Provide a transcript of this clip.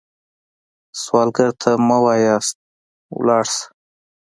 سوالګر ته مه وايئ “لاړ شه”